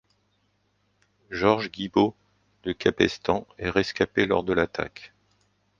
Georges Guibbaud, de Capestang, est rescapé lors de l'attaque.